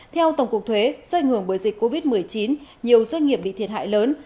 theo tổng cục thuế do ảnh hưởng bởi dịch covid một mươi chín nhiều doanh nghiệp bị thiệt hại lớn